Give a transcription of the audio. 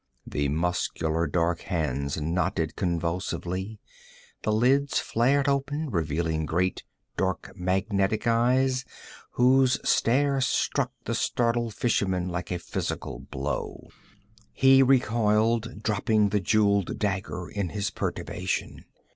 The muscular dark hands knotted convulsively, the lids flared open, revealing great dark magnetic eyes whose stare struck the startled fisherman like a physical blow. He recoiled, dropping the jeweled dagger in his perturbation.